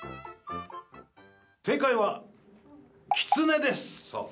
正解は、キツネです。